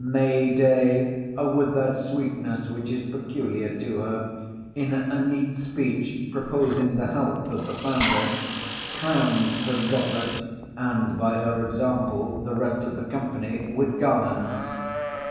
May Day, with that sweetness which is peculiar to her, in a neat speech proposing the health of the founder, crowned her goblet (and by her example the rest of the company) with garlands.